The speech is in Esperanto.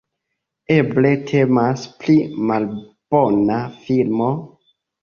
Eble temas pri malbona filmo?